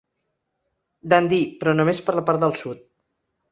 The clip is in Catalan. Dundee, però només per la part del sud.